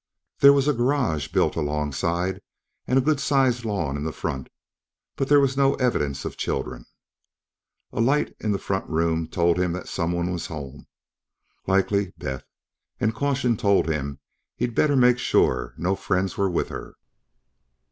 There was a garage built alongside and a good sized lawn in the front, but there was no evidence of children. A light in the front room told him that someone was home likely Beth and caution told him he'd better make sure no friends were with her.